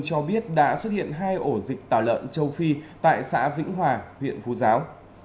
cho biết đã xuất hiện hai ổ dịch tả lợn châu phi tại xã vĩnh hòa huyện phú giáo